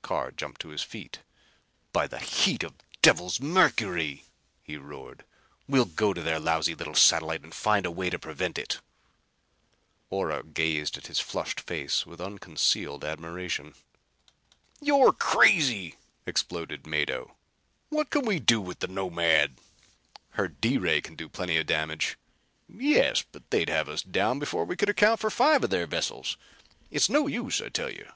Carr jumped to his feet. "By the heat devils of Mercury!" he roared, "well go to their lousy little satellite and find a way to prevent it!" Ora gazed at his flushed face with unconcealed admiration. "You're crazy!" exploded Mado. "What can we do with the Nomad?" "Her D ray can do plenty of damage." "Yes, but they'd have us down before we could account for five of their vessels. It's no use, I tell you."